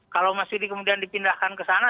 kalau mas yudi kemudian dipindahkan ke sana